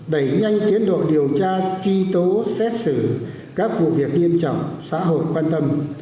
đẩy nhanh tiến độ điều tra truy tố xét xử các vụ việc nghiêm trọng xã hội quan tâm